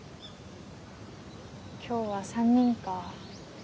今日は３人か。